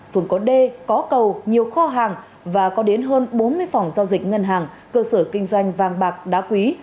phường có d có cầu nhiều kho hàng và có đến hơn bốn mươi phòng giao dịch ngân hàng cơ sở kinh doanh vàng bạc đá quý